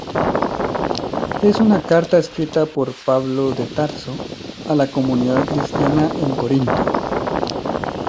Es una carta escrita por Pablo de Tarso a la comunidad cristiana en Corinto.